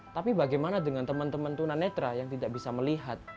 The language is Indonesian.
tapi bagaimana dengan teman teman tunanetra yang tidak bisa melihat